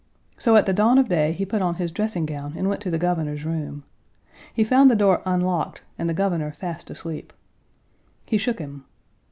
So at the dawn of day he put on his dressing gown and went to the Governor's room. He found the door unlocked and the Governor fast asleep. He shook him.